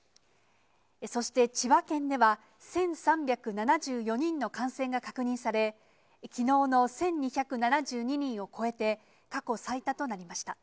そして、千葉県では１３７４人の感染が確認され、きのうの１２７２人を超えて、過去最多となりました。